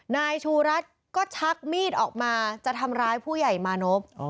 นายชูรัฐก็ชักมีดออกมาจะทำร้ายผู้ใหญ่มานพ